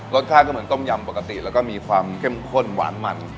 รสชาติก็เหมือนต้มยำปกติแล้วก็มีความเข้มข้นหวานมัน